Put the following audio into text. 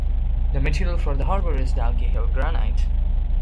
The material for the harbour is Dalkey Hill granite.